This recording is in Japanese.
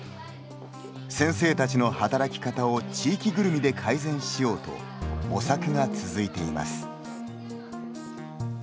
先生たちの働き方を地域ぐるみで改善しようと模索が続いています。